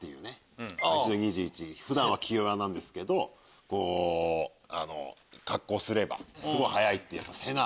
普段は気弱なんですけどあの格好すればすごい速いっていう瀬那。